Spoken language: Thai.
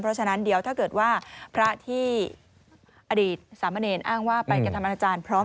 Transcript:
เพราะฉะนั้นเดี๋ยวถ้าเกิดว่าพระที่อดีตสามเณรอ้างว่าไปกระทำอนาจารย์พร้อม